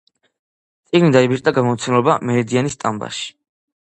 წიგნი დაიბეჭდა გამომცემლობა „მერიდიანის“ სტამბაში.